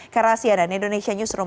karena cnn indonesia newsroom